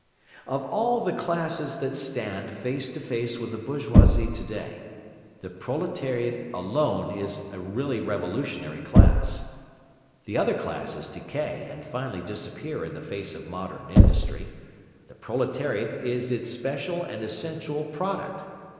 Of all the classes that stand face to face with the bourgeoisie today, the proletariat alone is a really revolutionary class. The other classes decay and finally disappear in the face of Modern Industry; the proletariat is its special and essential product.